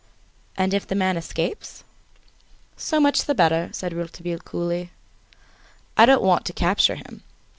"And if the man escapes?" "So much the better," said Rouletabille, coolly, "I don't want to capture him.